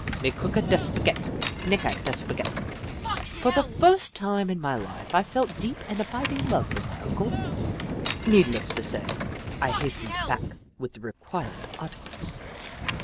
" Me cooka da spaghett ! Nica da spaghett !" For the first time in my Hfe, I felt deep and abiding love for my Uncle. Needless to say, I hastened back with the required articles.